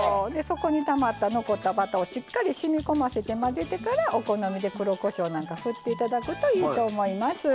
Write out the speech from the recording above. たまった残ったバターをしみこませてお好みで黒こしょうなんか振っていただくといいと思います。